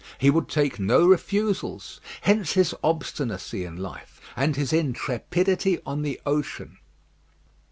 He would take no refusals. Hence his obstinacy in life, and his intrepidity on the ocean.